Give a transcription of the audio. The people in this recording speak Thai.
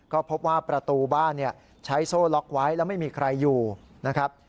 ก็พบว่าประตูบ้านใช้โซ่ล็อกไว้แล้วไม่มีใครอยู่นะครับ